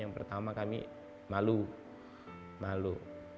yang pertama kami malu malu